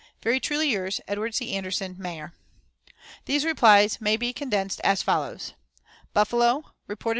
"Very truly yours, "EDWARD C. ANDERSON, Mayor." These replies may be condensed as follows: +||| Houses.